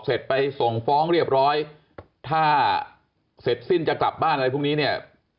เสร็จไปส่งฟ้องเรียบร้อยถ้าเสร็จสิ้นจะกลับบ้านอะไรพวกนี้เนี่ย